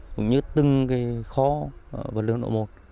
cũng như từng kho vật liệu nổ một